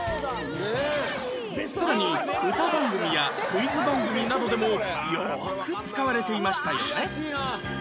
さらに歌番組やクイズ番組などでもよく使われていましたよね